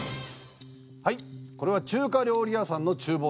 はいこれは中華料理屋さんの厨房です。